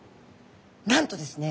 なんとですね